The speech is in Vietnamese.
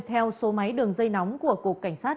theo số máy đường dây nóng của cục cảnh sát